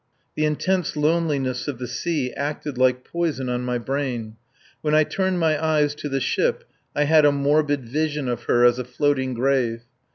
The intense loneliness of the sea acted like poison on my brain. When I turned my eyes to the ship, I had a morbid vision of her as a floating grave.